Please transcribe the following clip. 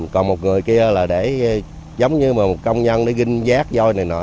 còn một người kia là để giống như một công nhân để ginh giác dôi này nọ